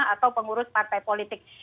atau pengurus partai politik